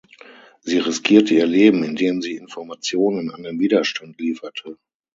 Sie riskierte ihr Leben, indem sie Informationen an den Widerstand lieferte.